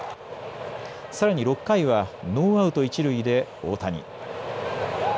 さらに６回はノーアウト一塁で大谷。